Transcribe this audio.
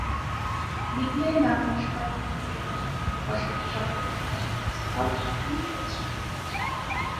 বিপিএলে বাংলাদেশের কয়েকজন ক্রিকেটার একটি অসাধু চক্রে ঢুকে স্পট ফিক্সিং করেছেন।